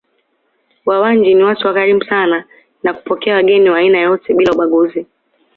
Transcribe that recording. Wawanji ni watu wakarimu sana na kupokea wageni wa aina yoyote bila ubaguzi